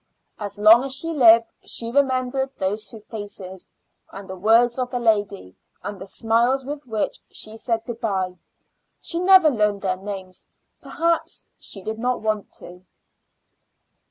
As long as she lived she remembered those two faces, and the words of the lady, and the smile with which she said good bye. She never learned their names; perhaps she did not want to.